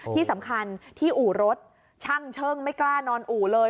ที่สำคัญที่อู่รถช่างเชิ่งไม่กล้านอนอู่เลย